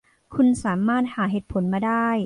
คุณสามารถหาเหตุผลมาได้